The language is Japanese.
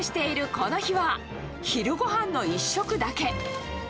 この日は、昼ごはんの１食だけ。